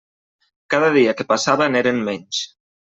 Cada dia que passava n'eren menys.